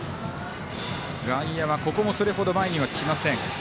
外野はここもそれほど前に来ません。